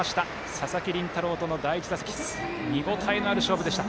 佐々木麟太郎との第１打席見応えのある勝負でした。